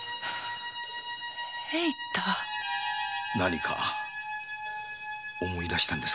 何か思い出したんですか？